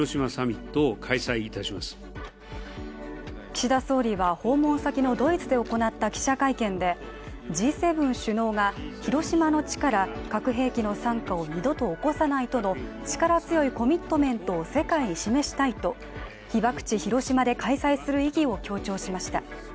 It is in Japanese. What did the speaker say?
岸田総理は訪問先のドイツで行った記者会見でＧ７首脳が広島の地から核兵器の惨禍を二度と起こさないとの力強いコミットメントを世界に示したいと被爆地・広島で開催する意義を強調しました。